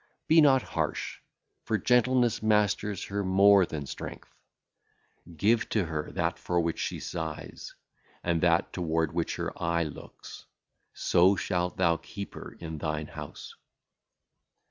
Be not harsh, for gentleness mastereth her more than strength. Give (?) to her that for which she sigheth and that toward which her eye looketh; so shalt thou keep her in thine house....